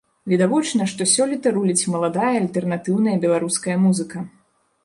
Відавочна, што сёлета руліць маладая альтэрнатыўная беларуская музыка.